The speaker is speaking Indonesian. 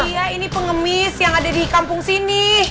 iya ini pengemis yang ada di kampung sini